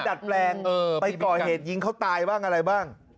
ดัดแปลงไปก่อเหตุยิงเขาตายบ้างอะไรบ้าง